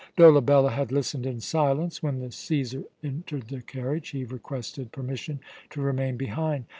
Dolabella had listened in silence. When the Cæsar entered the carriage, he requested permission to remain behind.